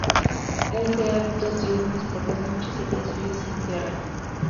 Es de hábitos diurnos; por las noches y días fríos se entierran.